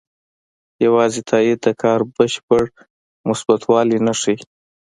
یوازې تایید د کار بشپړ مثبتوالی نه ښيي.